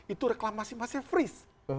itu reklamasi masih freeze